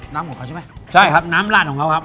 น้ำของเขาใช่ไหมใช่ครับน้ำลาดของเขาครับ